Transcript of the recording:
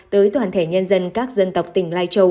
tới toàn thể nhân dân các dân tộc tỉnh lai châu